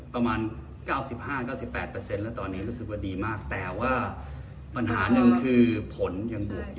ประมาณ๙๕๙๘แล้วตอนนี้รู้สึกว่าดีมากแต่ว่าปัญหาหนึ่งคือผลยังบวก